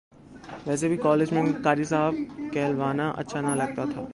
ویسے بھی کالج میں قاری صاحب کہلوانا اچھا نہ لگتا تھا